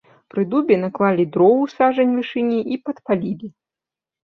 Пры дубе наклалі дроў у сажань вышыні і падпалілі.